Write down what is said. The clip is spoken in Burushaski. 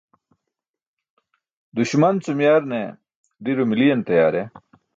Duśman cum yarne diro miliyan tayaar e?